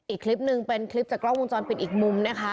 อีกคลิปหนึ่งเป็นคลิปจากกล้องวงจรปิดอีกมุมนะคะ